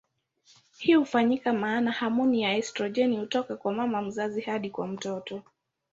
Hii hufanyika maana homoni ya estrojeni hutoka kwa mama mzazi hadi kwa mtoto.